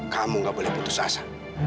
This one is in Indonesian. kamu gak boleh putus asa